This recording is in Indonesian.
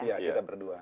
iya kita berdua